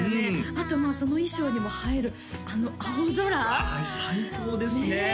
あとその衣装にも映えるあの青空うわ最高ですねねえ